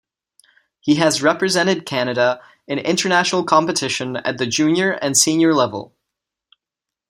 He has represented Canada in international competition at the junior and senior level.